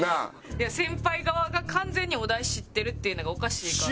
先輩側が完全にお題知ってるっていうのがおかしいから。